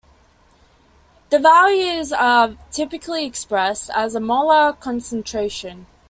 The values are typically expressed as molar concentration.